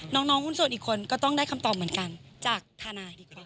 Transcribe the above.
น้องหุ้นส่วนอีกคนก็ต้องได้คำตอบเหมือนกันจากทนายดีกว่า